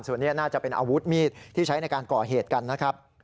ส่วนนี้น่าจะเป็นอาวุธมีดที่ใช้ในการก่อเหตุกันนะครับ